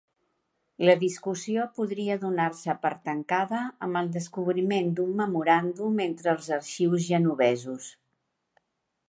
La discussió podria donar-se per tancada amb el descobriment d'un memoràndum entre els arxius genovesos.